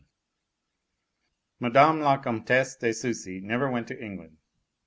VII Madame la Comtesse de Sucy never went to England.